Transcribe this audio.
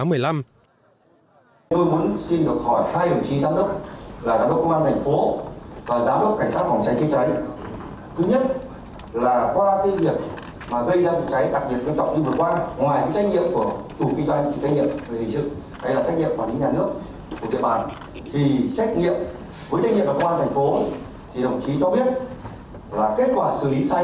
tôi muốn xin được hỏi hai đồng chí giám đốc là giám đốc công an thành phố và giám đốc cảnh sát